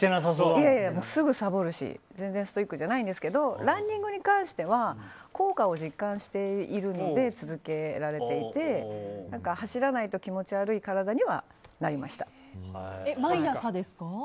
いやいや、すぐサボるし全然ストイックじゃないんですけどランニングに関しては効果を実感しているので続けられていて走らないと毎朝ですか。